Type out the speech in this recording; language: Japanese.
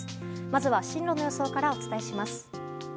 まずは進路の予想からお伝えします。